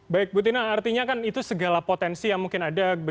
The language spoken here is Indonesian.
baik bu tina artinya kan itu segala potensi yang mungkin ada